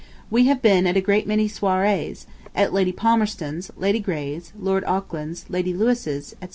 We have been at a great many soirées, at Lady Palmerston's, Lady Grey's, Lord Auckland's, Lady Lewis's, etc.